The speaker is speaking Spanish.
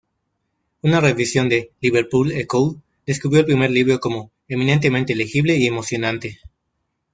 Una revisión de "Liverpool Echo" describió el primer libro como "eminentemente legible y emocionante".